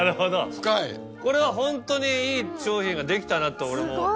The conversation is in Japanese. これはホントにいい商品ができたなって俺も。